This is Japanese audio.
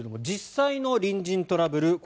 実際の隣人トラブル